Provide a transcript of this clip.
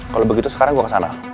kalo begitu sekarang gue kesana